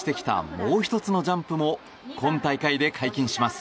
もう１つのジャンプも今大会で解禁します。